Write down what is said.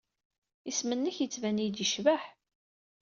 Isem-nnek yettban-iyi-d yecbeḥ.